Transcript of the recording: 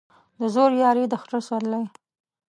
د زورياري ، د خره سورلى.